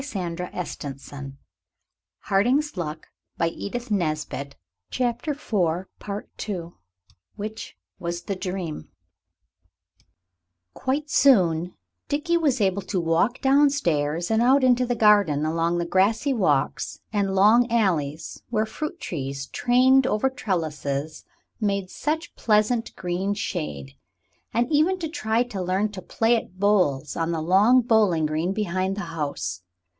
"I dreamed that I was lame! And I thought it was true. And it isn't! it isn't! it isn't!" Quite soon Dickie was able to walk down stairs and out into the garden along the grassy walks and long alleys where fruit trees trained over trellises made such pleasant green shade, and even to try to learn to play at bowls on the long bowling green behind the house.